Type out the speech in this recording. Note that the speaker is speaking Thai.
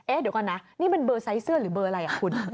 เดี๋ยวก่อนนะนี่มันเบอร์ไซส์เสื้อหรือเบอร์อะไรอ่ะคุณ